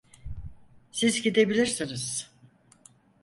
Siz gidebilirsiniz.